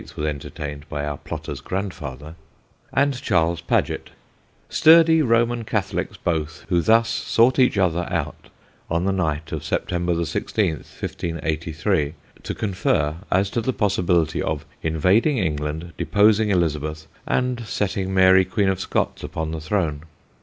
was entertained by our plotter's grandfather), and Charles Paget: sturdy Roman Catholics both, who thus sought each other out, on the night of September 16, 1583, to confer as to the possibility of invading England, deposing Elizabeth, and setting Mary Queen of Scots upon the throne.